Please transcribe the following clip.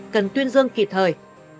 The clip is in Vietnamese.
cần tuyên dương kịp thời